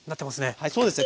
はいそうですね。